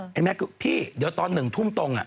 แม็กซ์ก็พี่เดี๋ยวตอน๑ทุ่มตรงอ่ะ